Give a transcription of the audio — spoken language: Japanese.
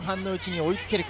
追いつけるか？